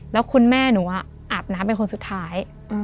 แล้วคุณแม่หนูอาบน้ำเป็นคนสุดท้าย